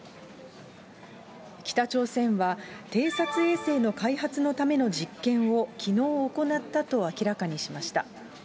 北朝鮮は、偵察衛星の開発のための実験を、きのう行ったと、明らかにしました。